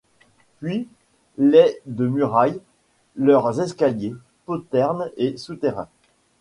Puis, les de murailles, leurs escaliers, poternes et souterrains.